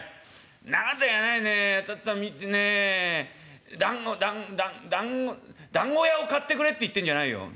「んなこと言わないでお父っつぁんねえだんごだんだんだんごだんご屋を買ってくれって言ってんじゃないよ。